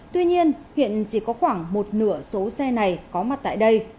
tuy nhiên hiện chỉ có khoảng một nửa số xe này có mặt tại đây